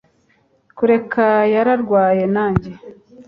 Kureka yararwaye nanjye